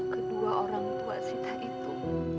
kedua orang tua sita itu